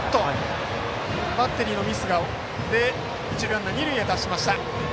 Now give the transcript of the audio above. バッテリーのミスで一塁ランナーは二塁へ行きました。